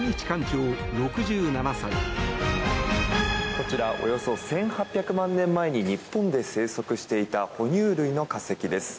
こちらおよそ１８００万年前に日本で生息していた哺乳類の化石です。